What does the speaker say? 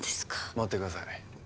待ってください。